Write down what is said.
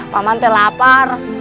pak man aku lapar